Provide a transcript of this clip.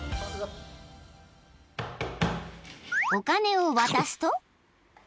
［お金を渡すと］